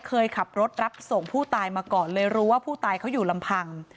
เคยขับรถรับส่งผู้ตายมาก่อนเลยรู้ว่าผู้ตายเขาอยู่ลำพัง